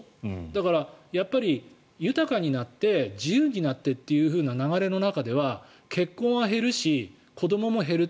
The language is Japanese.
だから、やっぱり豊かになって自由になってという流れの中では結婚は減るし子どもも減る。